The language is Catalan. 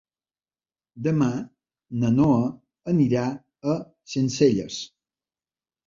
Demà na Noa anirà a Sencelles.